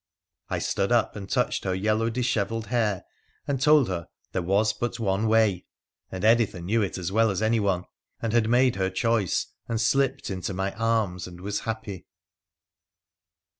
I stood up and touched her yellow dishevelled hair, and told her there was but one way — anc Editha knew it as well as anyone — and had made her choici and slipped into my arms and was happy.